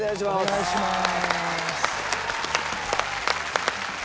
お願いします。